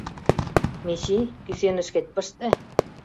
Мичий, кӱсенышкет пыште.